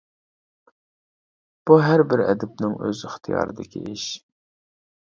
بۇ ھەر بىر ئەدىبنىڭ ئۆز ئىختىيارىدىكى ئىش.